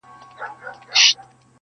چي دا کلونه راته وايي نن سبا سمېږي-